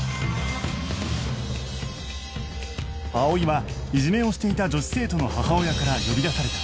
葵はいじめをしていた女子生徒の母親から呼び出された